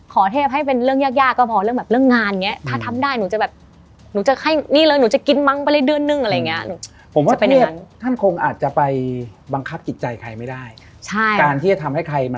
ขอเทพให้เป็นเรื่องยากก็พอเรื่องแบบเรื่องงานแบบเนี้ย